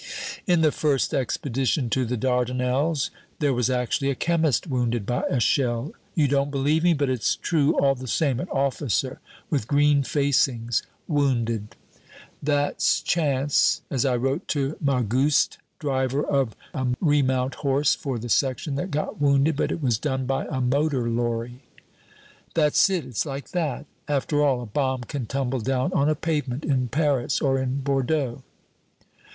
"In the first expedition to the Dardanelles, there was actually a chemist wounded by a shell. You don't believe me, but it's true all the same an officer with green facings, wounded!" "That's chance, as I wrote to Mangouste, driver of a remount horse for the section, that got wounded but it was done by a motor lorry." "That's it, it's like that. After all, a bomb can tumble down on a pavement, in Paris or in Bordeaux."